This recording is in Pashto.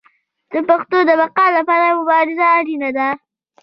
د پښتو د بقا لپاره مبارزه اړینه ده.